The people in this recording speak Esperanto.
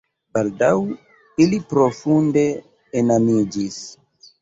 Baldaŭ ili profunde enamiĝis.